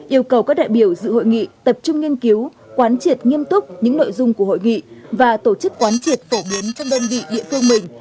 yêu cầu các đại biểu dự hội nghị tập trung nghiên cứu quán triệt nghiêm túc những nội dung của hội nghị và tổ chức quán triệt phổ biến các đơn vị địa phương mình